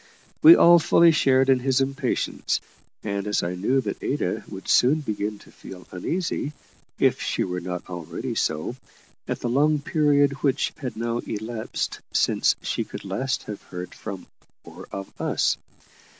We all fully shared in his impatience, as I knew that Ada would soon begin to feel uneasy, if she were not already so, at the long period which had now elapsed since she could last have heard from or of us.